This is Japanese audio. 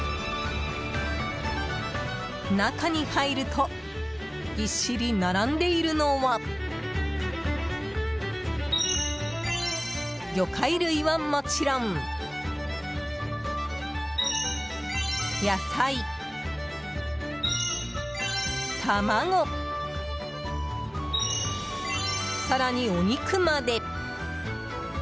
中に入るとぎっしり並んでいるのは魚介類はもちろん、野菜、卵更に、お肉まで。